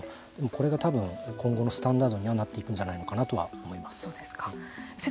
これがたぶん今後のスタンダードにはなっていくんじゃないかなと思います。